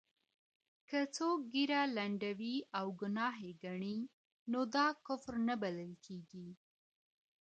که څوک ږيره لنډوي او ګناه ئې ګڼي، نو دا کفر نه بلل کيږي.